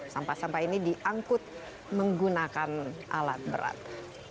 sampah sampah ini diangkut menggunakan alat berat